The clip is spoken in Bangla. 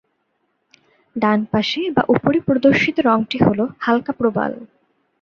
ডানপাশে বা উপরে প্রদর্শিত রঙটি হলো হালকা প্রবাল।